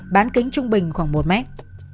bán kính trung bình khoảng một mét